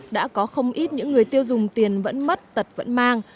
đã có không ít những người tiêu dùng tiền vẫn mất tật vẫn mang